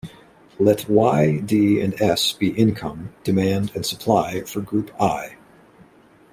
Let "Y", "D" and "S" be income, demand and supply for group "i".